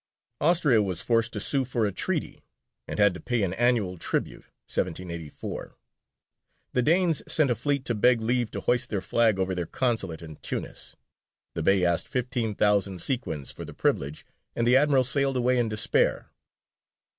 Austria was forced to sue for a treaty, and had to pay an annual tribute (1784). The Danes sent a fleet to beg leave to hoist their flag over their consulate in Tunis: the Bey asked fifteen thousand sequins for the privilege, and the admiral sailed away in despair.